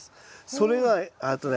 それがあっとね